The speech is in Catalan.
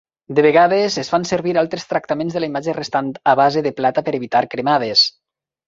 De vegades es fan servir altres tractaments de la imatge restant a base de plata per evitar "cremades".